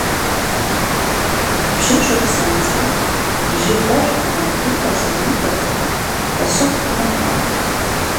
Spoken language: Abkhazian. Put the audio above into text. Бжьышықәса анҵы, быжь-етажкны иҟаз ҩнык аҿы асоф днықәнартәет.